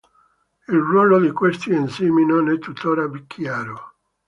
Il ruolo di questi enzimi non è tuttora chiaro.